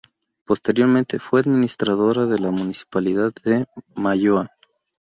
Posteriormente fue administradora de la Municipalidad de Malloa.